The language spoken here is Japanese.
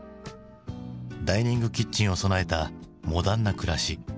ダイニングキッチンを備えたモダンな暮らし。